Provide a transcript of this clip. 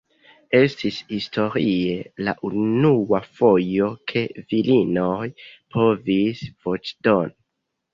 Estis historie la unua fojo ke virinoj povis voĉdoni.